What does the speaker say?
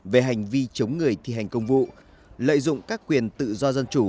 về hành vi chống người thi hành công vụ lợi dụng các quyền tự do dân chủ